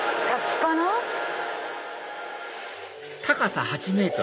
高さ８ｍ